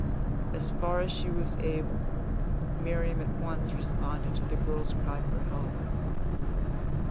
As far as she was able, Miriam at once responded to the girl's cry for help.